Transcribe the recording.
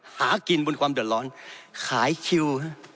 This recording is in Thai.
หากินบนความเดือดร้อนขายคิว